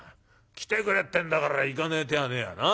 来てくれってんだから行かねえ手はねえやな。